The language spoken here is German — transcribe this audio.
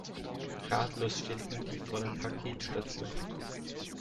Ratlos steht Rudi vor der Paketstation.